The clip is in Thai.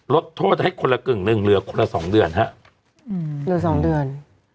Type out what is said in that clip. ลดโทษให้คนละกึ่งหนึ่งเหลือคนละสองเดือนฮะเหลือสองเดือน